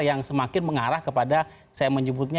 yang semakin mengarah kepada saya menyebutnya